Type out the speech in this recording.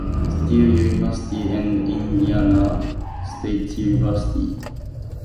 Still University, and Indiana State University.